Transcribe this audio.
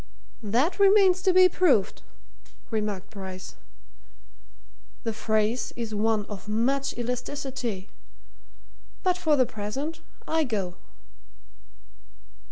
"That remains to be proved," remarked Bryce. "The phrase is one of much elasticity. But for the present I go!"